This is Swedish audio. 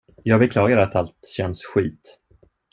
Jag beklagar att allt känns skit.